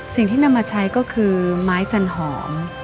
สิ่งที่นำมาใช้ก็คือไม้จันหอม